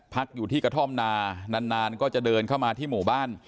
พักอยู่ที่กระท่อมนานานก็จะเดินเข้ามาที่หมู่บ้าน